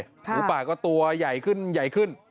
หมูป่าก็ตัวใหญ่ขึ้น